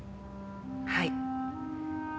はい。